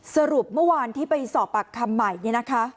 สรุปเมื่อวานที่ไปสอบปากคำใหม่เนี่ยนะคะ